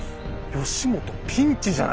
義元ピンチじゃないですか。